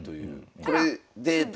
これデータ